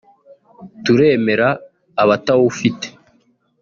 Turemera Abatawufite